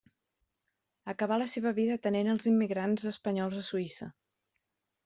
Acabà la seva vida atenent als immigrants espanyols a Suïssa.